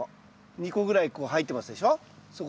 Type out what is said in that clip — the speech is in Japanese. ２個ぐらいこう入ってますでしょそこ。